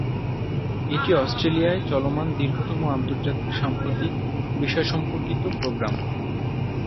এটি অস্ট্রেলিয়ায় চলমান দীর্ঘতম আন্তর্জাতিক সাম্প্রতিক বিষয় সম্পর্কিত প্রোগ্রাম।